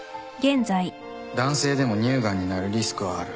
男性でも乳がんになるリスクはある。